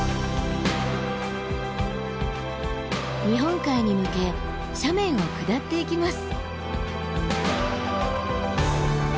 日本海に向け斜面を下っていきます。